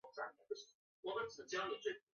我会找专家来处理